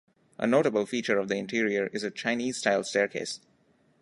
A notable feature of the interior is a Chinese style staircase.